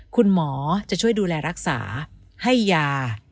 คุณหมอจะช่วยดูแลรักษาให้ยา